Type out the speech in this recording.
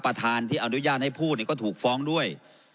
ประธานที่อนุญาตให้พูดก็ถูกฟ้องด้วย